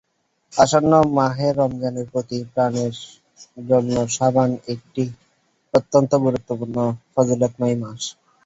আসন্ন মাহে রমজানের প্রস্তুতি গ্রহণের জন্য শাবান একটি অত্যন্ত গুরুত্বপূর্ণ ফজিলতময় মাস।